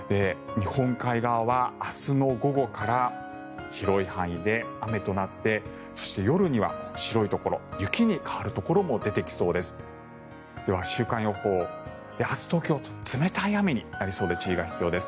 日本海側は明日の午後から広い範囲で雨となってそして夜には白いところ雪に変わるところも出てきそうです。